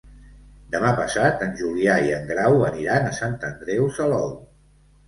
Demà passat en Julià i en Grau aniran a Sant Andreu Salou.